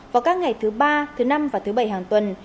vào các ngày thứ ba thứ năm và thứ bảy hàng tuần